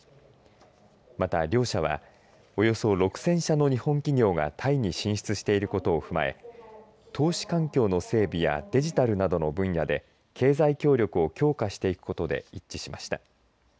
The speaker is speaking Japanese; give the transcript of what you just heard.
また両者はおよそ６０００社の日本企業がタイに進出していることを踏まえ投資環境の整備やデジタルなどの分野で経済協力を強化していくことで一致しました。